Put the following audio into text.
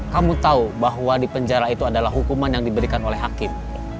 kamu tahu bahwa di penjara itu adalah hukuman yang diberikan oleh hakim